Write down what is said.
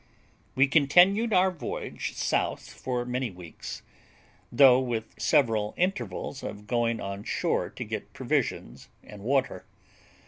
We continued our voyage south for many weeks, though with several intervals of going on shore to get provisions and water.